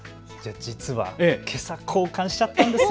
実はけさ交換しちゃったんですよ。